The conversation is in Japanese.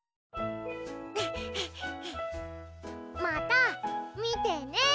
また見てね。